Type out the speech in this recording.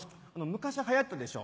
昔はやったでしょ？